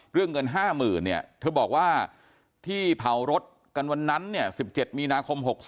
เรื่องเงิน๕๐๐๐เนี่ยเธอบอกว่าที่เผารถกันวันนั้นเนี่ย๑๗มีนาคม๖๒